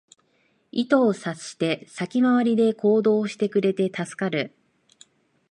意図を察して先回りで行動してくれて助かる